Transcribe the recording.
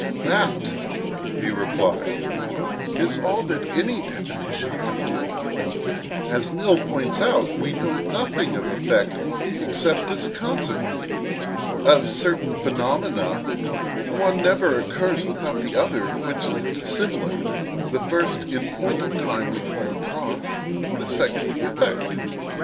"That," he replied, "is all that any definition can do. As Mill points out, we know nothing of cause except as an antecedent—nothing of effect except as a consequent. Of certain phenomena, one never occurs without another, which is dissimilar: the first in point of time we call cause, the second, effect.